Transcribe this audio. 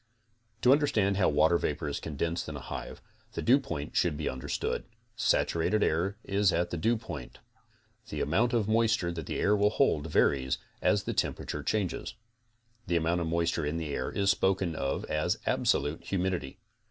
To understand how water vapor is condensed 'in a hive, the dewpoint should be understood. Saturated air is at the dewpoint. The amount of moisture that the air will hold varies as the tem perature changes. The amount of moisture in the air is spoken of as absolute humidity.